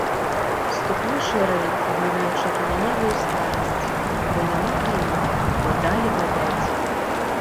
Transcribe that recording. Ступлю шырэй, абмінаючы акамянелую старасць, бо няма калі, бо далі вабяць.